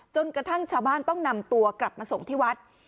จนกระทั่งชาวบ้านต้องนำตัวกลับมาส่งที่วัด